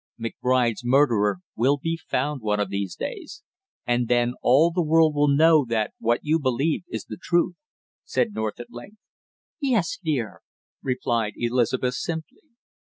"McBride's murderer will be found one of these days, and then all the world will know that what you believe is the truth," said North at length. "Yes, dear," replied Elizabeth simply.